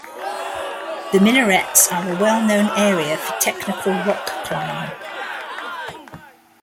The Minarets are a well-known area for technical rock climbing.